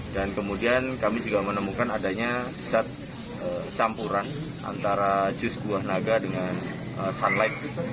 dan kemudian kami juga menemukan adanya set campuran antara jus buah naga dengan sunlight